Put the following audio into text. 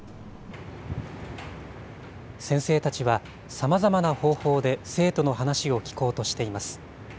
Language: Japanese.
さまざまな方法で生徒の話を聞こうとしています。